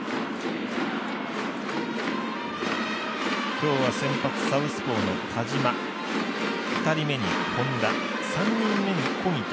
今日は先発サウスポーの田嶋２人目に本田、３人目に小木田。